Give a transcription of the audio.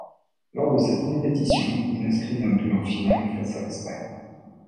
Lors de cette compétition il inscrit un but en finale face à l'Espagne.